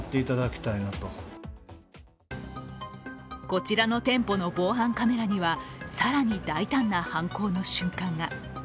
こちらの店舗の防犯カメラには更に大胆な犯行の瞬間が。